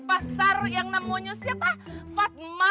pasar yang namanya siapa fatma